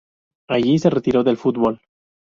Allí se retiró del fútbol.